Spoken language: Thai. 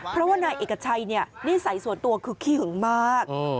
เพราะว่านายเอกชัยนิสัยส่วนตัวคือขี้หึงมาก